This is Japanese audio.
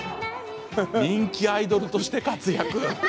人気アイドルとして活躍。